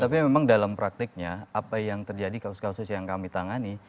tapi memang dalam praktiknya apa yang terjadi kasus kasus yang kami tangani